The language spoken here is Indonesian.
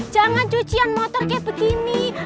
jangan cucian motor kayak begini